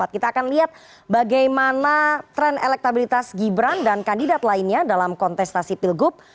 kita akan lihat bagaimana tren elektabilitas gibran dan kandidat lainnya dalam kontestasi pilgub